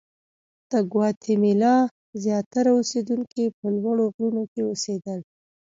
د ګواتیمالا زیاتره اوسېدونکي په لوړو غرونو کې اوسېدل.